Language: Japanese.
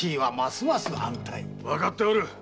わかっておる！